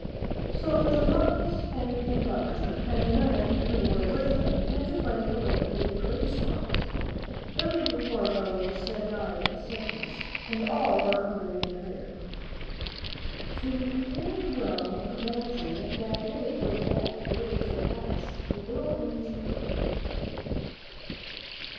So Narvaez and De Vaca and the men who were with them had to fight their way through the great swamps. Some poor fellows died of sickness, and all were hungry and tired. So you can well believe that they were glad to reach at last a little Indian village.